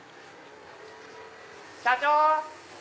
社長！